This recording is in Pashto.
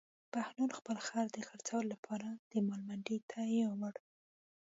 بهلول خپل خر د خرڅولو لپاره د مال منډي ته یووړ.